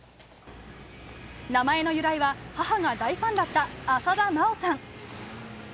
名前の由来は、母が大ファンだった浅田真央さん。